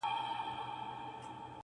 هغه چي تا لېمه راته پیالې پیالې شراب کړه,